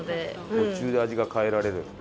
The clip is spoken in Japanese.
途中で味が変えられる。